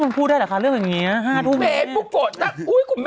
พักลูกเหลือวันเดียวลูก